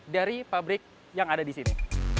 dari pabrik yang ada di sini